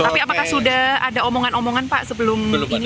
tapi apakah sudah ada omongan omongan pak sebelum ini